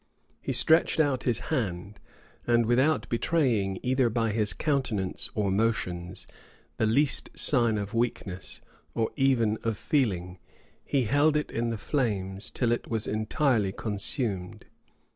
He stretched out his hand, and without betraying, either by his countenance or motions, the least sign of weakness, or even of feeling, he held it in the flames till it was entirely consumed.